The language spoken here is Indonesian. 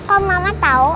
oh mama tahu